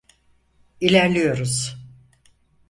İlerliyoruz.